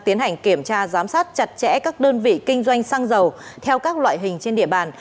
tiến hành kiểm tra giám sát chặt chẽ các đơn vị kinh doanh xăng dầu theo các loại hình trên địa bàn